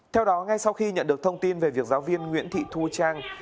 theo đó ngay sau khi nhận được thông tin về việc giáo viên nguyễn thị thu trang